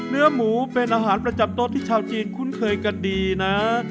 เนื้อหมูเป็นอาหารประจำโต๊ะที่ชาวจีนคุ้นเคยกันดีนะ